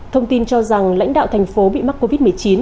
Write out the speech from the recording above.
thông tin cho rằng lãnh đạo thành phố bị mắc covid một mươi chín